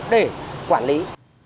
để quản lý